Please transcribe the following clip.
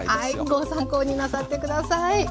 ご参考になさって下さい。